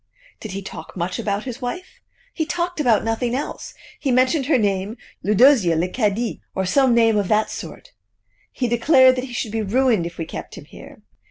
"Did he talk much about his wife?" "He talked about nothing else. He mentioned her name Eudosia Leocadie, or some name of that sort. He declared that he should be ruined if we kept him here.